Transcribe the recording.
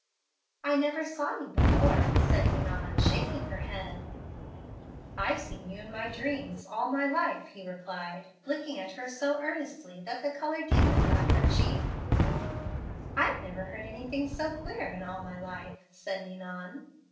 "'I never saw you before,' said Ninon, shaking her head. "'I've seen you in my dreams all my life,' he replied, looking at her so earnestly that the color deepened on her cheek. "'I never heard anything so queer in all my life,' said Ninon.